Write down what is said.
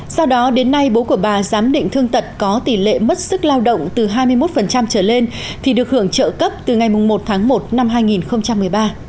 sau đó đến nay bố của bà giám định thương tật có tỷ lệ mất sức lao động từ hai mươi một trở lên thì được hưởng trợ cấp từ ngày một tháng một năm hai nghìn một mươi ba